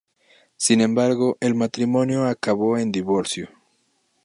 Sin embargo, el matrimonio acabó en divorcio.